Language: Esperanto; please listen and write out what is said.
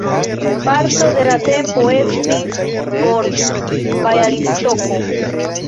Parto de la tempo estis por Bjalistoko.